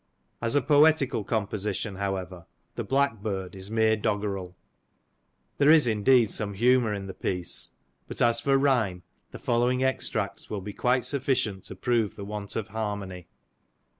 As a poetical composition, however, " The Black bird," is mere doggrel. There is indeed some humour in the piece, but as for ryhme the following extracts wiU be quite sufficient to prove the want of harmony.